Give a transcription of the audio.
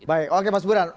baik oke mas buran